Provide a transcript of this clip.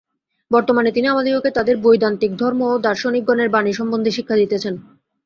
বর্তমানে তিনি আমাদিগকে তাঁহার বৈদান্তিক ধর্ম ও দার্শনিকগণের বাণী সম্বন্ধে শিক্ষা দিতেছেন।